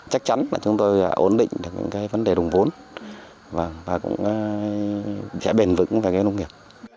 chắc chắn là chúng tôi ổn định được những cái vấn đề đồng vốn và cũng sẽ bền vững về cái nông nghiệp